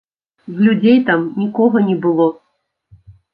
З людзей там нікога не было.